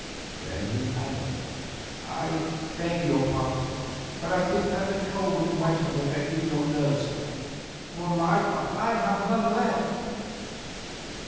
Then he added, "I beg your pardon, but I think that the cold and wet have affected your nerves; for my part, I have none left."